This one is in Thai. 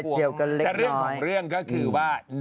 ก็ก็เรื่องก็คือว่า